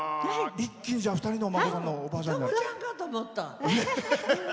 一気に２人のお孫さんのおばあちゃんに。